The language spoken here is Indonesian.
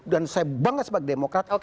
dan saya bangga sebagai demokrat